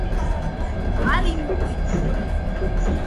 არ იმრუშო.